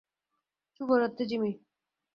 শুভরাত্রি, জিমি।